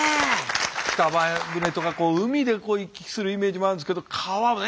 北前船とか海で行き来するイメージもあるんですけど川ね